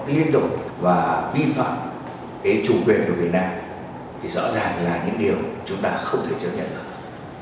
liên tục và vi phạm cái chủ quyền của việt nam thì rõ ràng là những điều chúng ta không thể chấp nhận được